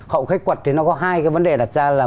khẩu khai quật thì nó có hai cái vấn đề đặt ra là